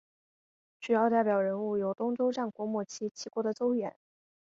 主要代表人物有东周战国末期齐国的邹衍。